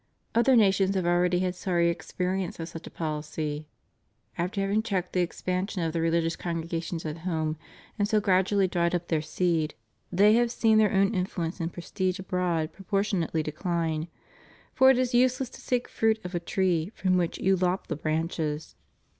Other nations have already had sorry experience of such a policy. After having checked the expansion of the religious congre gations at home, and so gradually dried up their seed they have seen their own influence and prestige abroad proportionally dechne; for it is useless to seek fruit of a tree from which you lop the branches.